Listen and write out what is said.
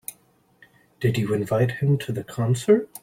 Did you invite him to the concert?